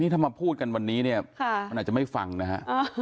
ถ้ามาพูดกันวันนี้เนี่ยมันอาจจะไม่ฟังนะฮะ